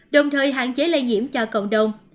đồng thời hạn chế lây nhiễm cho cộng đồng